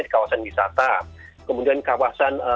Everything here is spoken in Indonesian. di kawasan wisata kemudian kawasan